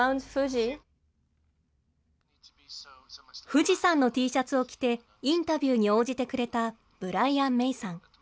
富士山のＴシャツを着て、インタビューに応じてくれた、ブライアン・メイさん。